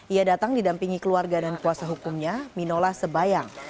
ia datang didampingi keluarga dan kuasa hukumnya minola sebayang